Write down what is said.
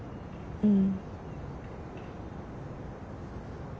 うん。